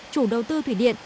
chủ đầu tư thủy điện